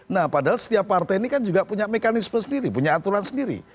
nah padahal setiap partai ini kan juga punya mekanisme sendiri punya aturan sendiri